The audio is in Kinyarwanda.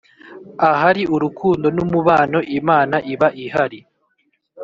“ahariurukundo n’umubano imana iba ihari”.